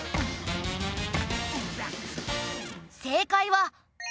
正解は。